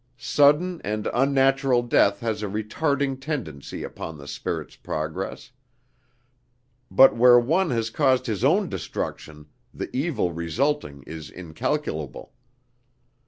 Sudden and unnatural death has a retarding tendency upon the spirit's progress; but where one has caused his own destruction, the evil resulting is incalculable.